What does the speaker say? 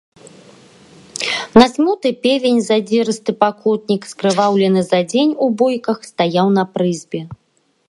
Надзьмуты певень, задзірысты пакутнік, скрываўлены за дзень у бойках, стаяў на прызбе.